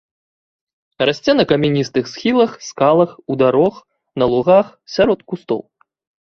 Расце на камяністых схілах, скалах, у дарог, на лугах, сярод кустоў.